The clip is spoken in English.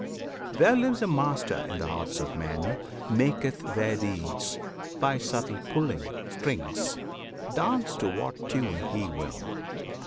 There lives a Master in the hearts of men Maketh their deeds, by subtle pulling strings, Dance to what tune HE will.